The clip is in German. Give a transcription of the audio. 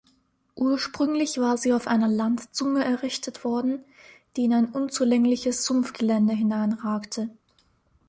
Ursprünglich war sie auf einer Landzunge errichtet worden, die in ein unzugängliches Sumpfgelände hineinragte.